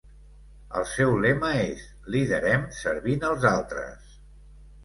El seu lema és "liderem servint els altres".